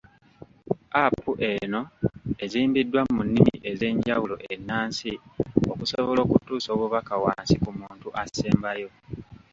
Apu eno ezimbiddwa mu nnimi ez'enjawulo ennansi okusobola okutuusa obubaka wansi ku muntu asembayo.